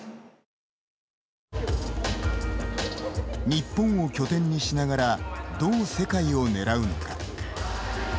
日本を拠点にしながらどう世界を狙うのか。